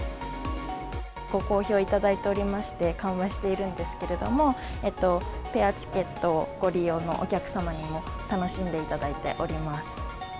ご好評いただいておりまして完売しているんですけれども、ペアチケットをご利用のお客様にも楽しんでいただいております。